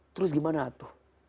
terus gimana tuh